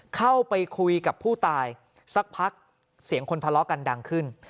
เข้าไปคุยกับผู้ตายสักพักเสียงคนทะเลาะกันดังขึ้น